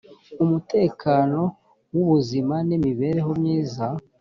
umutekano wubuzima n imibereho myiza